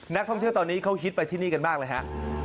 นักท่องเที่ยวตอนนี้เขาฮิตไปที่นี่กันมากเลยฮะ